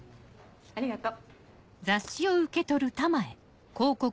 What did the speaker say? ありがと。